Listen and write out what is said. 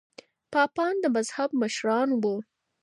پاپان د مذهب مشران وو.